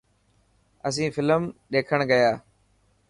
اسين فلم ڏيکڻ گيا.